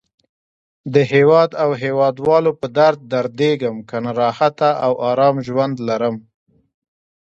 د هیواد او هیواد والو په درد دردېږم. کنه راحته او آرام ژوند لرم.